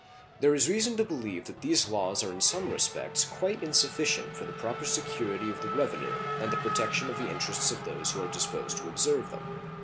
There is reason to believe that these laws are in some respects quite insufficient for the proper security of the revenue and the protection of the interests of those who are disposed to observe them.